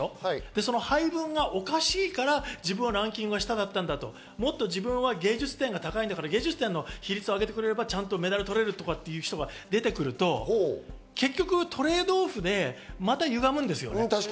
その配分がおかしいから自分のランキングが下だったんだと、もっと芸術点が自分は高いから、比率を上げてくれれば、ちゃんとメダルを取れるとかいう人が出てくると、結局、トレードオフでまたゆがむんですよね。